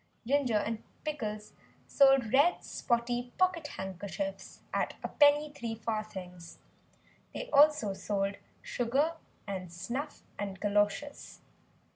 Ginger and Pickles sold red spotty pocket handkerchiefs at a penny three farthings. They also sold sugar, and snuff and galoshes.